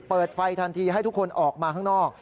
เปิดไฟทันทีให้ทุกคนออกมาข้างนอก